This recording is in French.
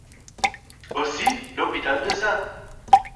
Aussi, l'hôpital de St.